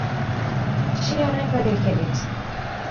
সেই অনেক আগে খেলেছি।